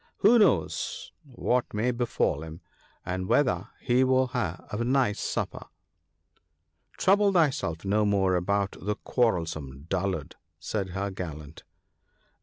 Who knows what may befall him, and whether he will have a nice supper ?" "Trouble thyself no more about the quarrelsome dullard," said her gallant.